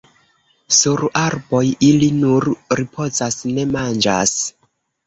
Sur arboj ili nur ripozas, ne manĝas.